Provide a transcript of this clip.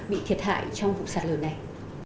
bị thiệt hại trong vụ sạt lở này